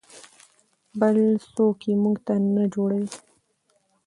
بل څوک یې موږ ته نه جوړوي.